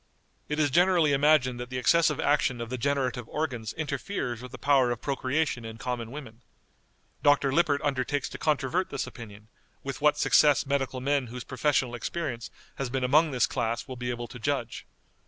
It is generally imagined that the excessive action of the generative organs interferes with the power of procreation in common women. Dr. Lippert undertakes to controvert this opinion, with what success medical men whose professional experience has been among this class will be able to judge.